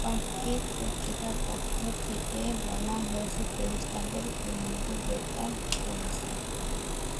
কয়েকটি পত্রিকার পক্ষ থেকে বলা হয়েছে, পুলিশ তাদের কর্মীদের গ্রেপ্তার করেছে।